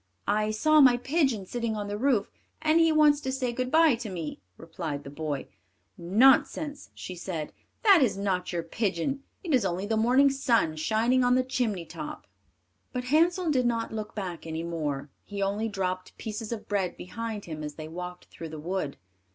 "I saw my pigeon sitting on the roof, and he wants to say good bye to me," replied the boy. "Nonsense," she said; "that is not your pigeon; it is only the morning sun shining on the chimney top." But Hansel did not look back any more; he only dropped pieces of bread behind him, as they walked through the wood.